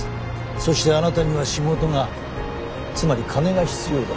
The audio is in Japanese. そしてあなたには仕事がつまり金が必要だ。